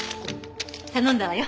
頼んだわよ。